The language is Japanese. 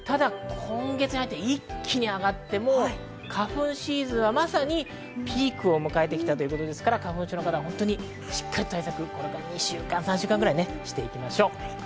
今月に入って一気に上がって、花粉シーズンはまさにピークを迎えてきたということですから、花粉症の方はしっかり対策、これから２、３週間していきましょう。